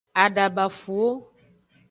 Adabafuwo.